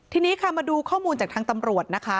ทีนี้ค่ะมาดูข้อมูลจากทางตำรวจนะคะ